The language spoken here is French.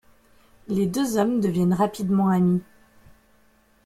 Les deux hommes deviennent rapidement amis.